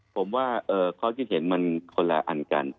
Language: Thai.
ผมว่าข้อคิดเห็นมันคนละอันกัน